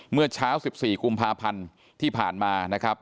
เมื่อเช้า๑๔กุมภาพันธ์ที่ผ่านมานะครับ